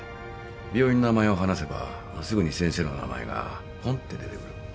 病院の名前を話せばすぐに先生の名前がぽんって出てくる。